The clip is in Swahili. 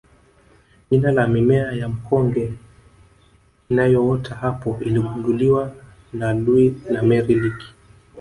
jina la mimea ya mkonge inayoota hapo uligunduliwa na Loui na Mary Leakey